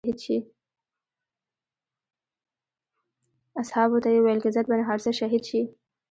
اصحابو ته یې وویل که زید بن حارثه شهید شي.